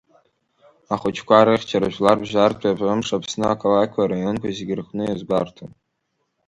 Ахәыҷқәа рыхьчара Жәларбжьаратәи Амш Аԥсны ақалақьқәеи араионқәеи зегьы рҟны иазгәарҭон.